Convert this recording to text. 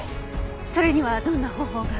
それにはどんな方法が？